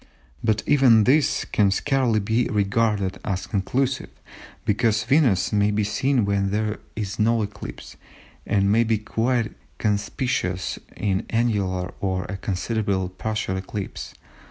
But even this can scarcely be regarded as conclusive, because Venus may be seen when there is no eclipse, and may be quite conspicuous in an annular or a considerable partial eclipse.